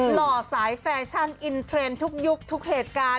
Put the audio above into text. หล่อสายแฟชั่นอินเทรนด์ทุกยุคทุกเหตุการณ์